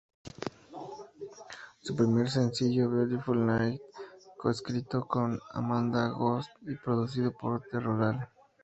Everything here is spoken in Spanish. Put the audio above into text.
Su primer sencillo "Beautiful Night", co-escrito con Amanda Ghost y producido por The Rural.